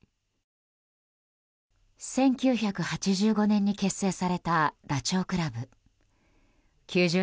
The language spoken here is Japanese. １９８５年に結成されたダチョウ倶楽部。